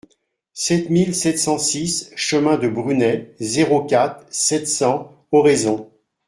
sept mille sept cent six chemin de Brunet, zéro quatre, sept cents, Oraison